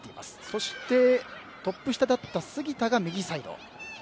そしてトップ下だった杉田が右サイド。